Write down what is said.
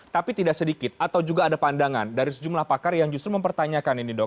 tapi tidak sedikit atau juga ada pandangan dari sejumlah pakar yang justru mempertanyakan ini dok